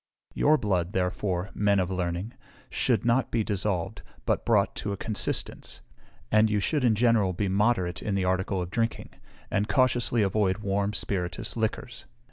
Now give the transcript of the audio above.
Your blood, therefore, men of learning, should not be dissolved, but brought to a consistence; and you should in general be moderate in the article of drinking, and cautiously avoid warm spirituous liquors.